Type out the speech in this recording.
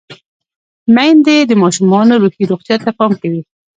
میندې د ماشومانو روحي روغتیا ته پام کوي۔